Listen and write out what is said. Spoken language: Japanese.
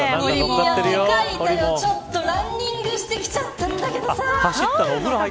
ちょっとランニングしてきちゃったんだけどさ。